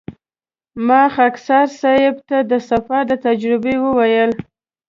ما خاکسار صیب ته د سفر د تجربې وویل.